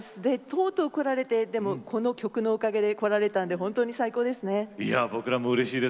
とうとう来られてこの曲のおかげで来られたんで本当に最高ですね。